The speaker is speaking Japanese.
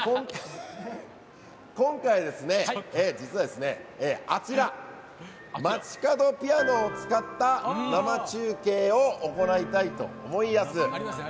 今回ですね、実は街角ピアノを使った生中継を行いたいと思いやす。